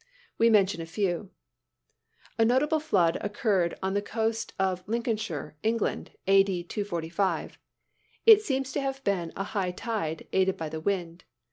We mention a few: A notable flood occurred on the coast of Lincolnshire, England, A. D., 245. It seems to have been a high tide, aided by the wind.